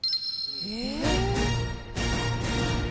え？